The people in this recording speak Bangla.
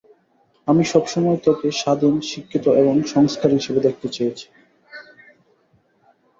আমি সবসময় তোকে স্বাধীন, শিক্ষিত এবং সংস্কারী হিসেবে দেখতে চেয়েছি।